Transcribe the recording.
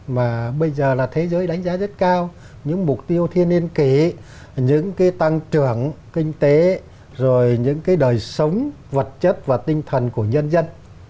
mà bây giờ là thế giới đánh giá rất cao những mục tiêu thiên niên kỷ những cái tăng trưởng kinh tế rồi những cái đời sống vật chất và tinh thần của nhân dân